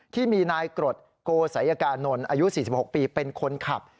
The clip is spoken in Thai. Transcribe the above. ที่มีนายกรดโกศัยกานนท์อายุ๔๖ปีเป็นคนขับ